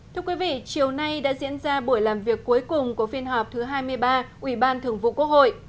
thưa quý vị chiều nay đã diễn ra buổi làm việc cuối cùng của phiên họp thứ hai mươi ba ủy ban thường vụ quốc hội